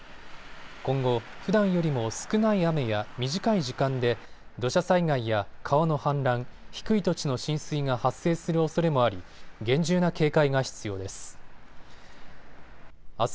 今後、ふだんよりも少ない雨や短い時間で土砂災害や川の氾濫、低い土地の浸水が発生するおそれもあり厳重な警戒が必要です。